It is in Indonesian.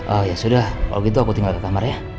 oh ya sudah kalau gitu aku tinggal ke kamar ya